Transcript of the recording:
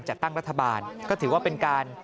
จัดตั้งรัฐบาลก็ถือว่าเป็นการ